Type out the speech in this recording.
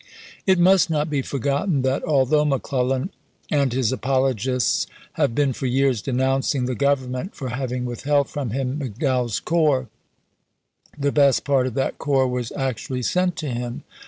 It must not be forgotten that, although McClellan and his apologists have been for years denouncing the Government for having withheld from him McDowell's corps, the best part of that corps was actually sent to him.